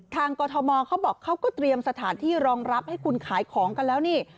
กรทมเขาบอกเขาก็เตรียมสถานที่รองรับให้คุณขายของกันแล้วนี่